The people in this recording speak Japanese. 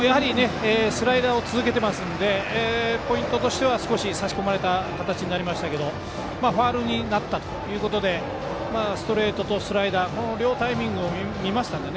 スライダーを続けていますのでポイントとしては少し差し込まれた形になりましたがファウルになったということでストレートとスライダーこの両方のタイミングを見ましたので。